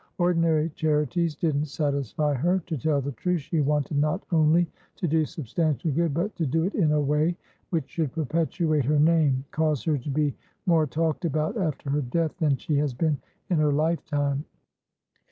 Ordinary Charities didn't satisfy her; to tell the truth, she wanted not only to do substantial good, but to do it in a way which should perpetuate her namecause her to be more talked about after her death than she has been in her lifetime.